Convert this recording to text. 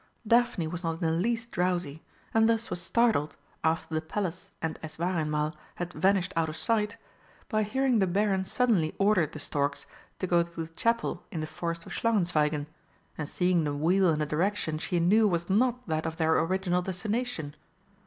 Daphne was not in the least drowsy, and thus was startled, after the Palace and Eswareinmal had vanished out of sight, by hearing the Baron suddenly order the storks to go to the Chapel in the forest of Schlangenzweigen, and seeing them wheel in a direction she knew was not that of their original destination.